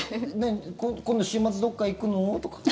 今度週末どっか行くの？とか。